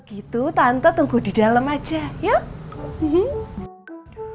gitu tante tunggu di dalam aja yuk